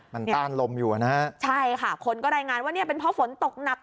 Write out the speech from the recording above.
มันต้านลมอยู่นะฮะใช่ค่ะคนก็รายงานว่าเนี่ยเป็นเพราะฝนตกหนัก